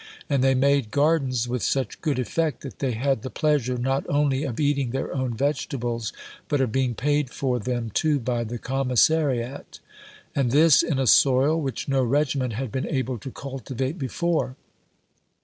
And they made gardens with such good effect that they had the pleasure, not only of eating their own vegetables, but of being paid for them too by the Commissariat. And this in a soil which no regiment had been able to cultivate before.